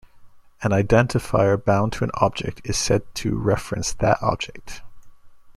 An identifier bound to an object is said to reference that object.